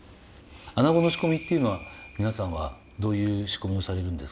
アナゴの仕込みっていうのは皆さんはどういう仕込みをされるんですか？